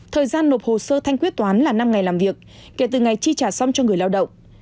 thời gian nộp hồ sơ thanh quyết toán là năm ngày làm việc kể từ ngày chi trả xong cho người lao động